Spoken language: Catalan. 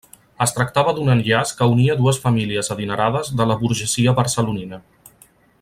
Es tractava d'un enllaç que unia dues famílies adinerades de la burgesia barcelonina.